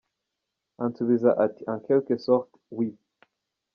Ansubiza ati en quelques sortes oui.